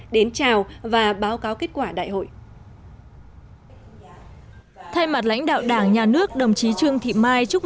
đến chào và báo cáo kết quả